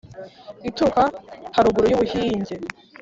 Ituruka haruguru y'ubuhinge,